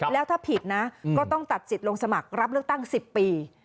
แล้วถ้าผิดนะก็ต้องตัดสิทธิ์ลงสมัครรับเลือกตั้ง๑๐ปี